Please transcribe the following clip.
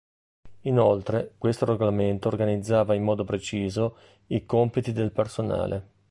Inoltre, questo regolamento organizzava in modo preciso i compiti del personale.